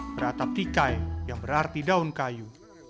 beratap tikai yang berarti daun kayu